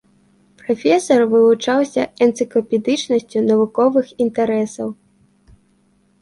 Прафесар вылучаўся энцыклапедычнасцю навуковых інтарэсаў.